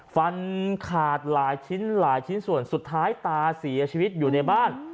ฟันขาดหลายชิ้นหลายชิ้นส่วนสุดท้ายตาเสียชีวิตอยู่ในบ้าน